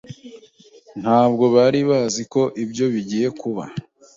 Ntabwo bari bazi ko ibyo bigiye kuba.